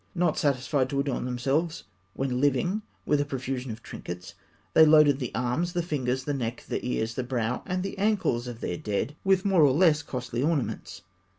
Not satisfied to adorn themselves when living with a profusion of trinkets, they loaded the arms, the fingers, the neck, the ears, the brow, and the ankles of their dead with more or less costly ornaments.